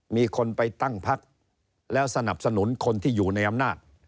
มีคนไปตั้งพักแล้วสนับสนุนคนที่อยู่ในอำนาจ